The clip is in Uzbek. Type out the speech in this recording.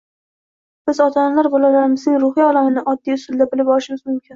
biz ota-onalar bolamizning ruhiy olamini oddiy usulda bilib olishimiz mumkin.